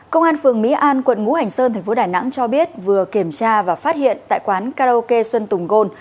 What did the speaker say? công an phường mỹ an quận ngũ hành sơn thành phố đà nẵng cho biết vừa kiểm tra và phát hiện tại quán karaoke xuân tùng gôn